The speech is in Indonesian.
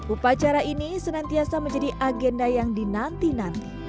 upacara ini senantiasa menjadi agenda yang dinanti nanti